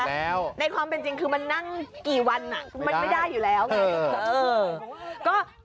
เก็บแล้วในความเป็นจริงคือมันนั่งกี่วันอ่ะไม่ได้ไม่ได้อยู่แล้ว